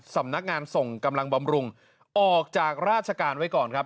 สำนักงานส่งกำลังบำรุงออกจากราชการไว้ก่อนครับ